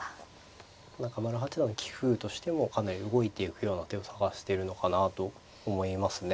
中村八段の棋風としてもかなり動いていくような手を探してるのかなと思いますね。